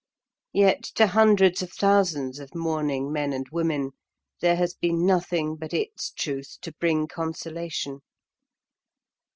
Yet to hundreds of thousands of mourning men and women there has been nothing but its truth to bring consolation.